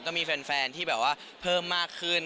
ก็มีแฟนที่แบบว่าเพิ่มมากขึ้น